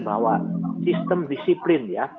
bahwa sistem disiplin ya